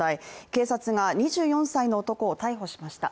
警察が２４歳の男を逮捕しました。